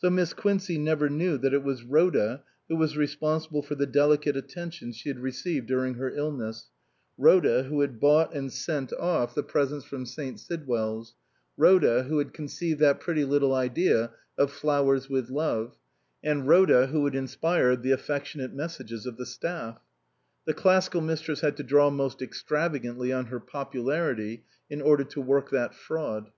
So Miss Quincey never knew that it was Rhoda who was responsible for the delicate attentions she had received during her illness ; Rhoda who had bought and sent off 249 SUPERSEDED the presents from St. Sidwell's ; Rhoda who had conceived that pretty little idea of flowers " with love "; and Rhoda who had inspired the affectionate messages of the staff. (The Clas sical Mistress had to draw most extravagantly on her popularity in order to work that fraud.)